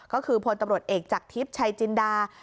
ก็คือพลตำรวจเอกจากทิพย์ชัยจินดา